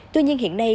tuy nhiên hiện nay